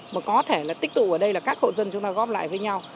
mà có thể là tích tụ ở đây là các hộ dân chúng ta góp lại với nhau